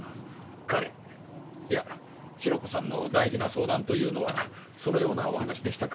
彼いやヒロコさんの大事な相談というのはそのようなお話でしたか。